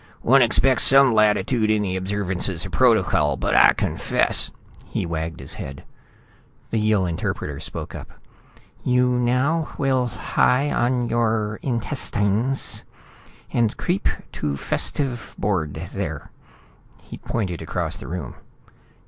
"One expects some latitude in the observances of protocol, but I confess...." He wagged his head. The Yill interpreter spoke up. "You now whill lhie on yourr intesstinss, and creep to fesstive board there." He pointed across the room.